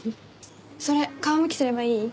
それ皮むきすればいい？